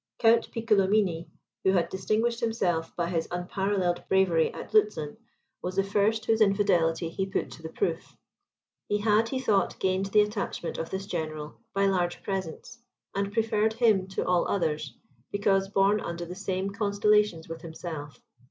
Count Piccolomini, who had distinguished himself by his unparalleled bravery at Lutzen, was the first whose fidelity he put to the proof. He had, he thought, gained the attachment of this general by large presents, and preferred him to all others, because born under the same constellations with himself.